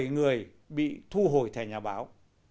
bảy người bị thu hồi thẻ nhà báo